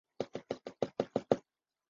主要在内地经营各类纺织产品。